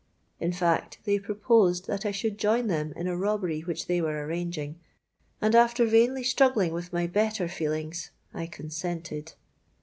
In fact they proposed that I should join them in a robbery which they were arranging; and after vainly struggling with my better feelings, I consented.